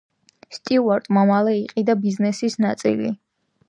სტიუარტმა მალე იყიდა ბიზნესის ნაწილი.